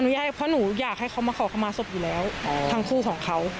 เพราะหนูอยากให้เขามาขอเข้ามาศพอยู่แล้วทั้งคู่ของเขา